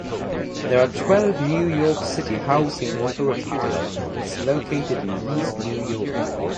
There are twelve New York City Housing Authority developments located in East New York.